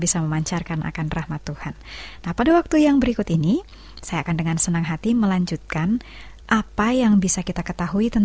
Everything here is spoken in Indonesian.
selamat mengikuti dan selamat mendengarkan